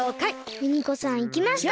ウニコさんいきました。